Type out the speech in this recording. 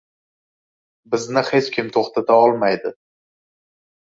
Bizni hech kim to‘xtata olmaydi.